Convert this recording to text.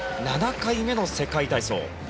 ７回目の世界体操。